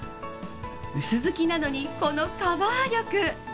薄付きなのにこのカバー力。